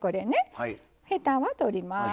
ヘタは取ります。